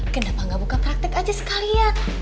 kenapa gak buka praktek aja sekalian